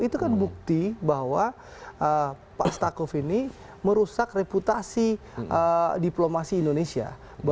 itu kan bukti bahwa pak stakuf ini merusak reputasi diplomasi indonesia